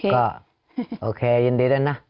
ก็โอเคยินดีด้วยนะ